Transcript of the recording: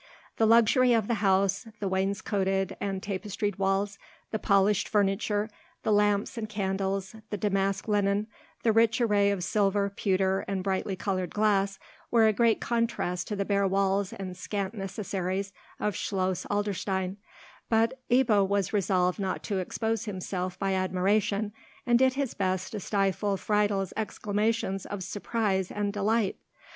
The luxury of the house, the wainscoted and tapestried walls, the polished furniture, the lamps and candles, the damask linen, the rich array of silver, pewter, and brightly coloured glass, were a great contrast to the bare walls and scant necessaries of Schloss Adlerstein; but Ebbo was resolved not to expose himself by admiration, and did his best to stifle Friedel's exclamations of surprise and delight.